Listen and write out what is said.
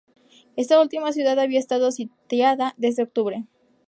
Esta última ciudad había estado sitiada desde octubre.